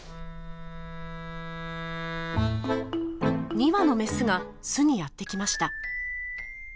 ２羽のメスが巣にやって来ました。